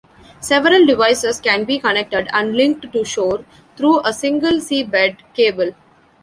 Several devices can be connected and linked to shore through a single seabed cable.